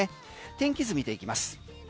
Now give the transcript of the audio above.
天気図を見ていきます。